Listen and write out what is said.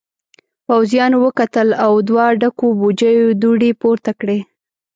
پوځيانو وکتل او دوو ډکو بوجيو دوړې پورته کړې.